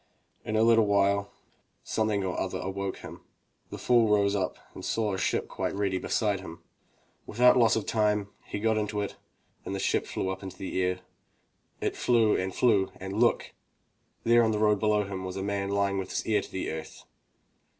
In a little while, something or other awoke him. The fool rose up and saw the ship quite ready beside him. Without loss of time, he got into it, and the ship flew up into the air. It flew and flew and look! — there on the road below a man was lying with his ear to the earth.